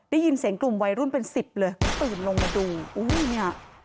ได้ยินเสียงกลุ่มวัยรุ่นเป็นสิบเลยตื่นลงมาดูอุ้ยเนี่ย